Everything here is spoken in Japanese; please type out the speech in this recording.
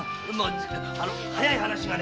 早い話がね。